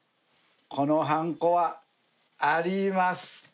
このはんこはありますか？